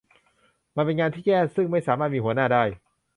มันเป็นงานที่แย่ ซึ่งไม่สามารถมีหัวหน้าได้